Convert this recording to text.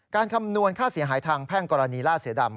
คำนวณค่าเสียหายทางแพ่งกรณีล่าเสือดำ